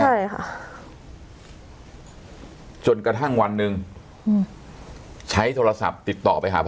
ใช่ค่ะจนกระทั่งวันหนึ่งอืมใช้โทรศัพท์ติดต่อไปหาพ่อ